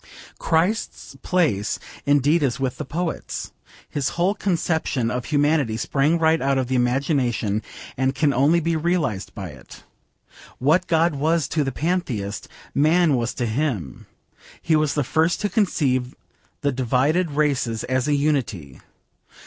Christ's place indeed is with the poets. His whole conception of Humanity sprang right out of the imagination and can only be realised by it. What God was to the pantheist, man was to Him. He was the first to conceive the divided races as a unity.